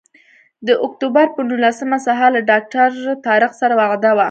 د اکتوبر پر نولسمه سهار له ډاکټر طارق سره وعده وه.